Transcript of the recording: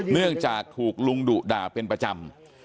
เนื่องจากถูกลุงดุด่าเป็นประจำ